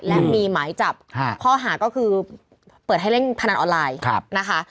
และมีหมายจับข้อหาก็คือเปิดให้เล่นพนันออนไลน์นะคะ